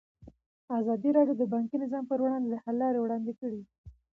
ازادي راډیو د بانکي نظام پر وړاندې د حل لارې وړاندې کړي.